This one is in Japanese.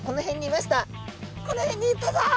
「この辺にいたぞ！